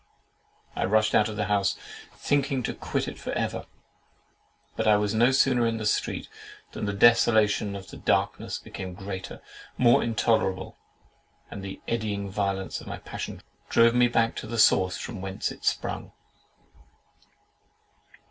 I rushed out of the house, thinking to quit it forever; but I was no sooner in the street, than the desolation and the darkness became greater, more intolerable; and the eddying violence of my passion drove me back to the source, from whence it sprung.